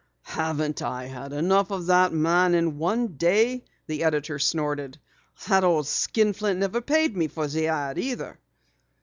"Haven't I had enough of that man in one day!" the editor snorted. "The old skinflint never paid me for the ad either!"